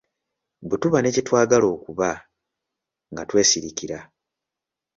Bwe tuba ne kye twagala okuba, nga twesirikira.